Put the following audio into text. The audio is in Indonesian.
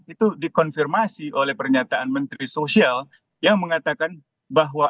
itu dikonfirmasi oleh pernyataan menteri sosial yang mengatakan bahwa